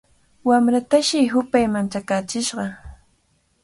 Wamratashi hupay manchakaachishqa.